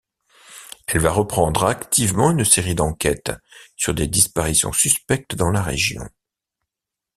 Elle va reprendre activement une série d'enquêtes sur des disparitions suspectes dans la région.